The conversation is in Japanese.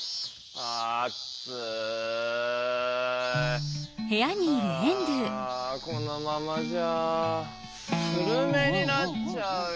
あこのままじゃスルメになっちゃうよ。